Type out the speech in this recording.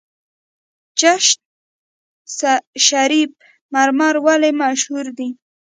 چشت شریف مرمر ولې مشهور دي؟